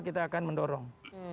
kita akan mendorong